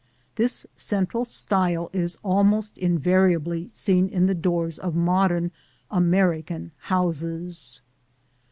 This central stile is almost invariably seen in the doors of modern American houses.